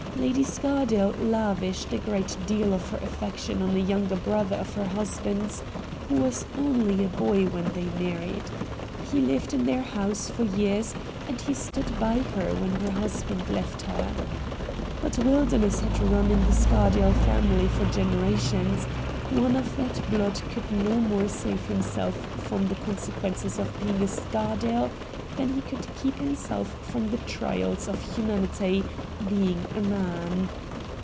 Lady Scardale lavished a great deal of her affection on a younger brother of her husband's who was only a boy when they married. He lived in their house for years, and he stood by her when her husband left her. But wildness had run in the Scardale family for generations — one of that blood could no more save himself from the consequences of being a Scardale than he could keep himself from the trials of humanity, being a man.